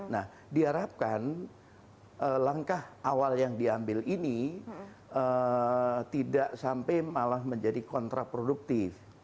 nah diharapkan langkah awal yang diambil ini tidak sampai malah menjadi kontraproduktif